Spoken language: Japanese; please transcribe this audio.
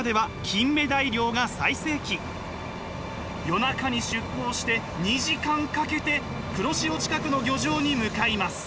夜中に出港して２時間かけて黒潮近くの漁場に向かいます。